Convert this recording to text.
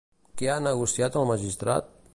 Què ha negociat el magistrat?